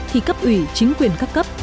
thì cấp ủy chính quyền các cấp